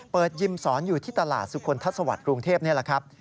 เปิดยิ่มสอนอยู่ที่ตลาดสุขคลทัศน์สวัสดิ์รุงเทพนี่แหละครับ